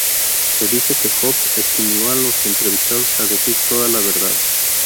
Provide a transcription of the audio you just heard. Se dice que Jobs estimuló a los entrevistados a decir toda la verdad.